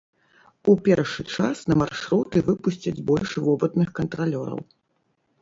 У першы час на маршруты выпусцяць больш вопытных кантралёраў.